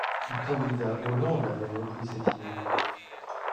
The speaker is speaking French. Le candidat Hollande avait repris cette idée.